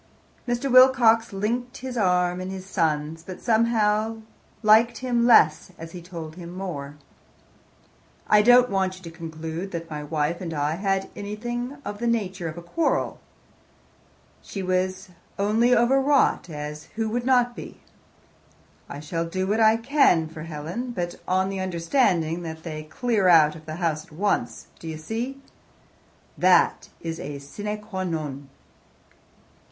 Mr. Wilcox linked his arm in his son's, but somehow liked him less as he told him more. "I don't want you to conclude that my wife and I had anything of the nature of a quarrel. She was only over wrought, as who would not be? I shall do what I can for Helen, but on the understanding that they clear out of the house at once. Do you see? That is a sine qua non."